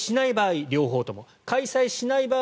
仮に両方とも開催しない場合。